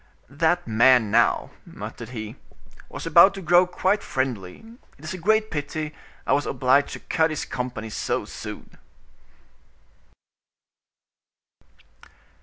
"That man, now," muttered he, "was about to grow quite friendly; it is a great pity I was obliged to cut his company so soon."